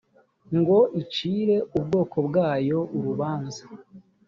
ngo icire ubwoko bwayo urubanza